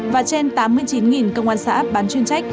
và trên tám mươi chín công an xã bán chuyên trách